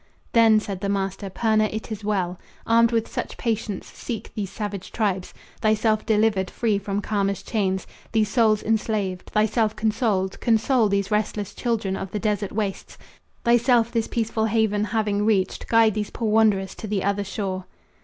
"Then," said the master, "Purna, it is well. Armed with such patience, seek these savage tribes. Thyself delivered, free from karma's chains These souls enslaved; thyself consoled, console These restless children of the desert wastes; Thyself this peaceful haven having reached, Guide these poor wanderers to the other shore."